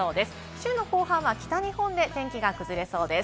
週の後半は北日本で天気が崩れそうです。